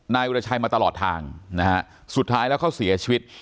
นายวิรชัยมาตลอดทางนะฮะสุดท้ายแล้วเขาเสียชีวิต